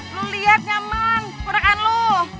lu liat nyaman penekan lu